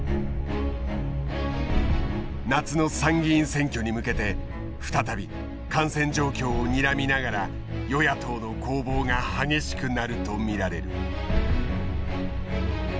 夏の参議院選挙に向けて再び感染状況をにらみながら与野党の攻防が激しくなると見られる。